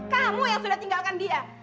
kamu yang sudah tinggalkan dia